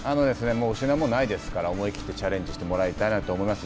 失うものないですから思い切ってチャレンジしてもらいたいと思います。